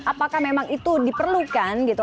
apakah memang itu diperlukan gitu